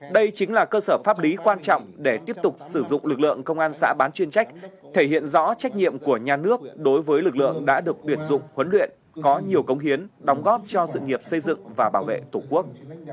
đây chính là cơ sở pháp lý quan trọng để tiếp tục sử dụng lực lượng công an xã bán chuyên trách thể hiện rõ trách nhiệm của nhà nước đối với lực lượng đã được tuyển dụng huấn luyện có nhiều công hiến đóng góp cho sự nghiệp xây dựng và bảo vệ tổ quốc